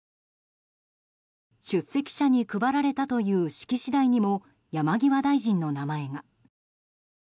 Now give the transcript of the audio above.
出席者に配られたという式次第にも山際大臣の名前が。